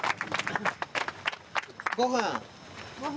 ごはん。